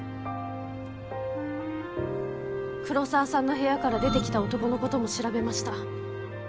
黒澤さんの部屋から出てきた男のことも調べました。